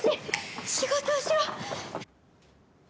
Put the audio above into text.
仕事をしろ！